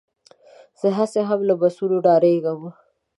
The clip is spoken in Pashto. زه هسې هم له بسونو ډارېږم.